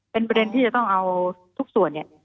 เป็นประเด็นที่จะต้องเอาทุกส่วนเนี่ย